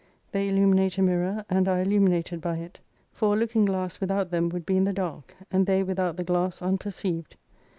They illuminate a mirror, and are illuminated by it. For a looking glass without them would be in the dark, and they without the glass unperceived.